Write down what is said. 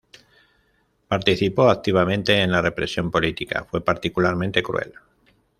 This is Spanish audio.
Participó activamente en la represión política, fue particularmente cruel.